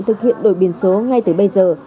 thực hiện đổi biển số ngay từ bây giờ